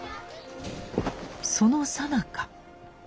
そのさなか。